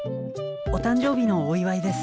お誕生日のお祝いです。